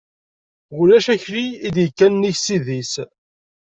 Ulac akli i d-ikkan nnig ssid-is.